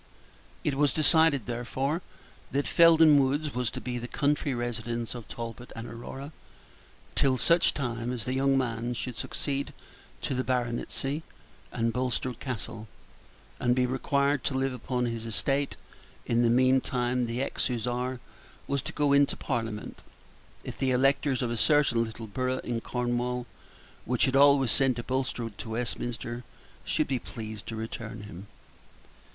It was decided, therefore, that Felden Woods was to be the country residence of Talbot and Aurora till such time as the young man should succeed to the baronetcy and Bulstrode Castle, and be required to live upon his estate. In the meantime the ex Hussar was to go into Parliament, if the electors of a certain little borough in Cornwall, which had always sent a Bulstrode to Westminster, should be pleased to return him.